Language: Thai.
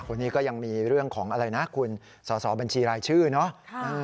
คนนี้ก็ยังมีเรื่องของอะไรนะคุณสอสอบัญชีรายชื่อเนาะ